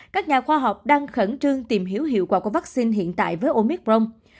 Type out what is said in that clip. các nhà khoa học đang khẩn trương tìm hiểu hiệu quả của vaccine hiện tại với omicron